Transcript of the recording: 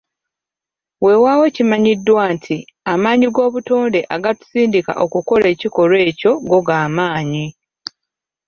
Weewaawo kimanyiddwa nti amaanyi g'obutonde agatusindika okukola ekikolwa ekyo go gamaanyi.